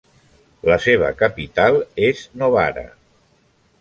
La seva capital és Novara.